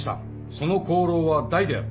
その功労は大である。